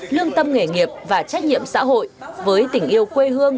lương tâm nghề nghiệp và trách nhiệm xã hội với tình yêu quê hương